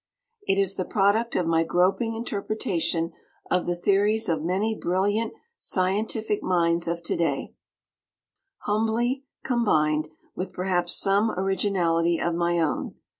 It is the product of my groping interpretation of the theories of many brilliant scientific minds of today humbly combined with perhaps some originality of my own.